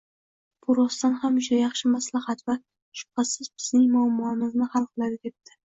— Bu rostdan ham juda yaxshi maslahat va, shubhasiz, bizning muammomizni hal qiladi, — debdi